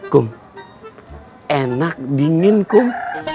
kum enak dingin kum